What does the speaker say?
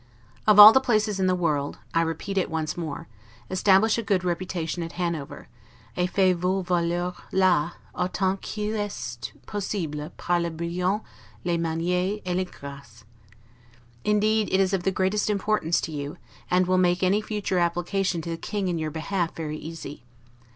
Of all the places in the world (I repeat it once more), establish a good reputation at Hanover, 'et faites vous valoir la, autant qu'il est possible, par le brillant, les manieres, et les graces'. Indeed it is of the greatest importance to you, and will make any future application to the King in your behalf very easy.